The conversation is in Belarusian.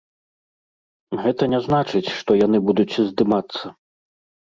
Гэта не значыць, што яны будуць здымацца.